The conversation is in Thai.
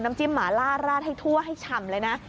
จิ้มหมาล่าราดให้ทั่วให้ฉ่ำเลยนะ